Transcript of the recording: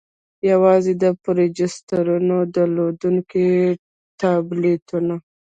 يوازې د پروجسترون درلودونكي ټابليټونه: